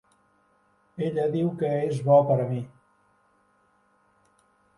Ella diu que és bo per a mi.